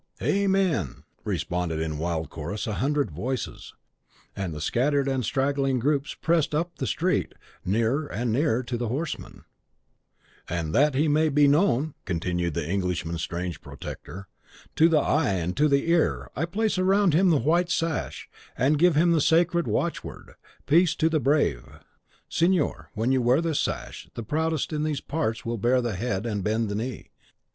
"Amen!" responded, in wild chorus, a hundred voices; and the scattered and straggling groups pressed up the street, nearer and nearer to the horseman. "And that he may be known," continued the Englishman's strange protector, "to the eye and to the ear, I place around him the white sash, and I give him the sacred watchword, 'Peace to the Brave.' Signor, when you wear this sash, the proudest in these parts will bare the head and bend the knee.